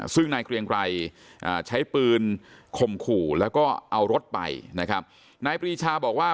ซึ่งนายเกรียงไกรใช้ปืนข่มขู่แล้วก็เอารถไปนะครับนายปรีชาบอกว่า